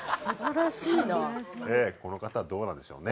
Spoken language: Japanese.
この方はどうなんでしょうね